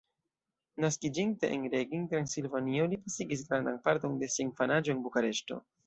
Naskiĝinte en Reghin, Transilvanio, li pasigis grandan parton de sia infanaĝo en Bukareŝto.